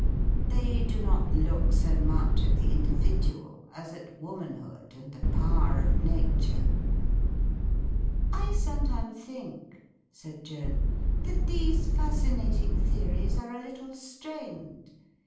They do not look so much at the individual, as at Womanhood and the power of Na ture.*' "I sometimes think," said Joan, ''that these fascin ating theories are a little strained.